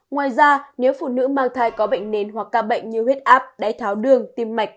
ngoài ra nếu phụ nữ mang thai có bệnh nền hoặc ca bệnh như huyết áp đáy tháo đường tim mạch